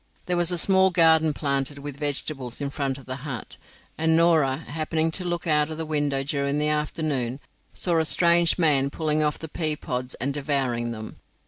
There was a small garden planted with vegetables in front of the hut, and Norah, happening to look out of the window during the afternoon, saw a strange man pulling off the pea pods and devouring them.